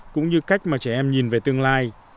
cũng như cách mà trẻ em nhìn về tương lai